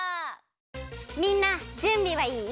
みんなじゅんびはいい？